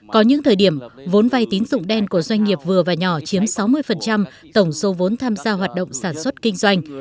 có những thời điểm vốn vay tín dụng đen của doanh nghiệp vừa và nhỏ chiếm sáu mươi tổng số vốn tham gia hoạt động sản xuất kinh doanh